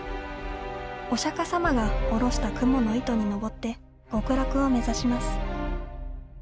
お釈迦様が下ろした蜘蛛の糸に登って極楽を目指します。